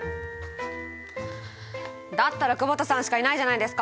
だったら久保田さんしかいないじゃないですか！